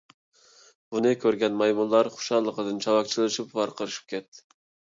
بۇنى كۆرگەن مايمۇنلار خۇشاللىقىدىن چاۋاك چېلىشىپ ۋارقىرىشىپ كەتتى.